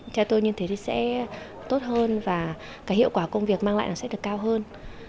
theo tôi như thế thì sẽ tốt hơn và cái hiệu quả công việc mang lại nó sẽ được cao hơn